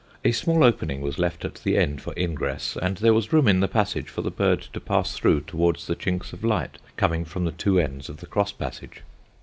A small opening was left at the end for ingress, and there was room in the passage for the bird to pass through towards the chinks of light coming from the two ends of the cross passage.